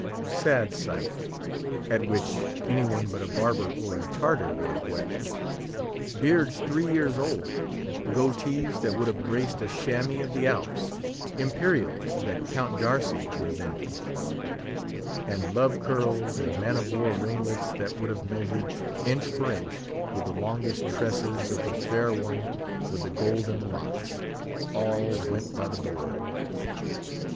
Sad sight! at which any one but a barber or a Tartar would have wept! Beards three years old; goatees that would have graced a Chamois of the Alps; imperials that Count D'Orsay would have envied; and love curls and man of war ringlets that would have measured, inch for inch, with the longest tresses of The Fair One with the Golden Locks—all went by the board!